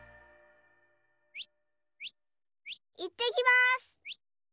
いってきます。